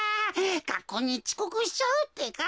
がっこうにちこくしちゃうってか。